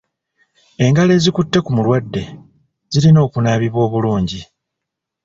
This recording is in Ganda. Engalo ezikutte ku mulwadde zirina okunaabibwa obulungi.